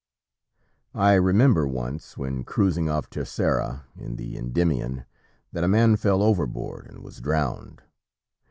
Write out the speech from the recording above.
I remember once, when cruising off Terceira in the Endymion, that a man fell overboard and was drowned.